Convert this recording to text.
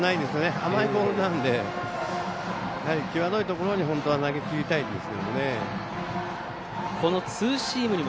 甘いボールなので際どいところに本当は投げきりたいですね。